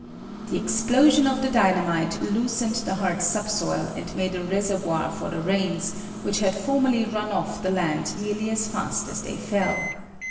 The explosion of the dynamite loosened the hard subsoil, and made a reservoir for the rains, which had formerly run off the land nearly as fast as they fell.